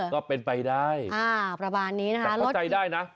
ก็เป็นไปได้นะคะรถที่แต่เข้าใจได้นะ